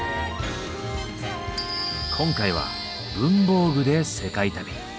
今回は文房具で世界旅。